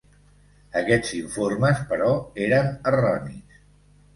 Aquests informes, però, eren erronis.